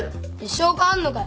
証拠あんのかよ？